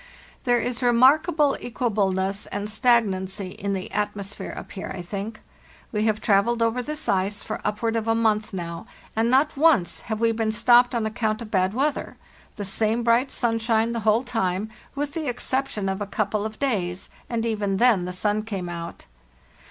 There is remarkable equableness and stagnancy in the atmosphere up here, I think. We have travelled over this ice for upward of a month now, and not once have we been stopped on account of bad weather—the same bright sunshine the whole time, with the exception of a couple of days, and even then the sun came out.